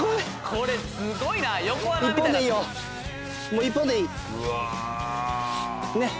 これすごいな横穴みたいなってるもう１本でいいねっ